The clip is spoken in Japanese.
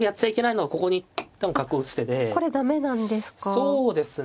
そうですね